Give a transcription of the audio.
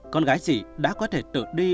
con gái chị đã có thể tự đi